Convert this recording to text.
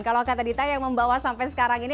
kalau kata dita yang membawa sampai sekarang ini